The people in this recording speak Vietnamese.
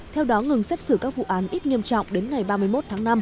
theo đó ngừng xét xử các vụ án ít nghiêm trọng đến ngày ba mươi một tháng năm